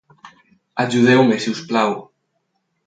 Ajudeu-me si us plau!